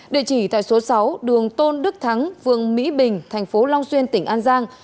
địa chỉ tại số sáu đường tôn đức thắng phường mỹ bình thành phố long xuyên tỉnh an giang